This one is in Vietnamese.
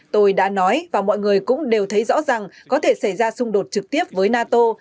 tôi đã nói và mọi người cũng đều thấy rõ rằng có thể xảy ra xung đột trực tiếp với nato